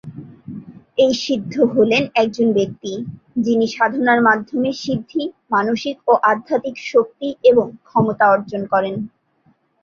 এই সিদ্ধ হলেন একজন ব্যক্তি, যিনি সাধনার মাধ্যমে সিদ্ধি, মানসিক ও আধ্যাত্মিক শক্তি এবং ক্ষমতা অর্জন করেন।